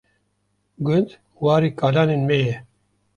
Gund warê kalanên me ye.